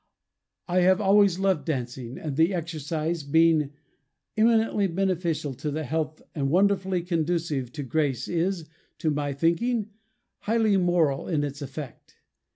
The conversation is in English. I have always loved dancing, and the exercise, besides being eminently beneficial to the health and wonderfully conducive to grace is, to my thinking, highly moral in its effect.